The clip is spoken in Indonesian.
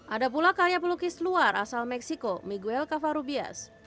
ada pula karya pelukis luar asal meksiko miguel cavarubias